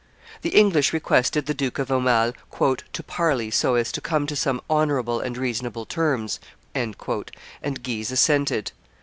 The English requested the Duke of Aumale "to parley so as to come to some honorable and reasonable terms;" and Guise assented.